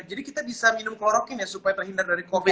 jadi kita bisa minum klorokin ya supaya terhindar dari covid